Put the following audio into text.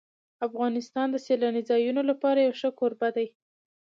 افغانستان د سیلاني ځایونو لپاره یو ښه کوربه دی.